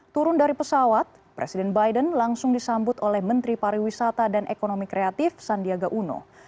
turun dari pesawat presiden biden langsung disambut oleh menteri pariwisata dan ekonomi kreatif sandiaga uno